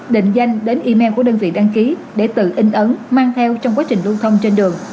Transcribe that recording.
định danh đến email của đơn vị đăng ký để tự in ấn mang theo trong quá trình lưu thông trên đường